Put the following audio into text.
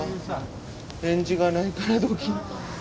返事がないからドキッ。